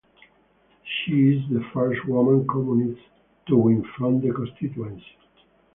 She is the first woman communist to win from the constituency.